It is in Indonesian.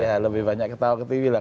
ya lebih banyak ketawa ke tv lah